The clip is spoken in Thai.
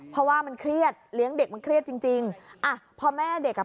เพราะว่ามันเครียดเลี้ยงเด็กมันเครียดจริงจริงอ่ะพอแม่เด็กอ่ะ